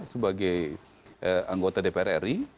sebagai anggota dpr ri